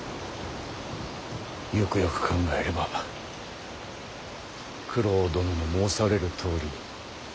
よくよく考えれば九郎殿の申されるとおり。